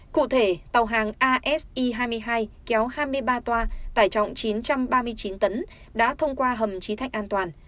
cụ thể tàu hàng asi hai mươi hai kéo hai mươi ba toa tải trọng chín trăm ba mươi chín tấn đã thông qua hầm trí thạnh an toàn